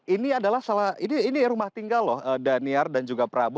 ini adalah salah ini rumah tinggal loh daniar dan juga prabu